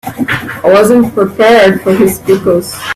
I wasn't prepared for his pickles.